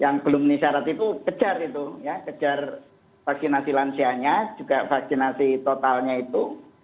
yang belum meni syarat itu kejar itu ya kejar vaksinasi lansianya juga vaksinasi totalnya itu